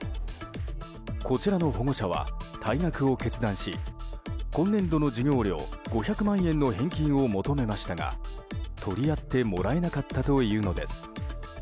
こちらの保護者は退学を決断し今年度の授業料５００万円の返金を求めましたが取り合ってもらえなかったというのです。